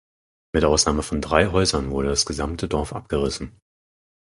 Mit Ausnahme von drei Häusern wurde das gesamte Dorf abgerissen.